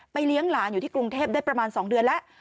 เลี้ยงหลานอยู่ที่กรุงเทพได้ประมาณ๒เดือนแล้ว